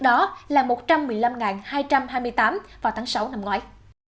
đó là một trăm một mươi năm hai trăm hai mươi tám vào tháng sáu năm ngoái